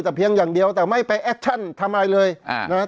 แต่เพียงอย่างเดียวแต่ไม่ไปแอคชั่นทำอะไรเลยอ่านะฮะ